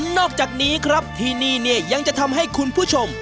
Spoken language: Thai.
นอกจากนี้ครับที่นี่เนี่ยยังจะทำให้คุณผู้ชม